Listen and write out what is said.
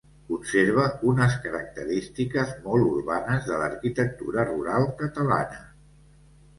Conserva unes característiques molt urbanes de l'arquitectura rural catalana.